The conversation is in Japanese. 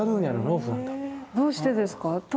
どうしてですか？